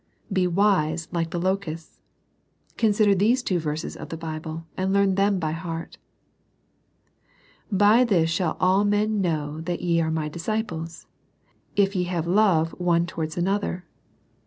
Be wise, like the locusts. Consider these two verses of the Bible, and learn them by heart. "By this shall all men know that ye are My disciples, if ye have love one towards another.'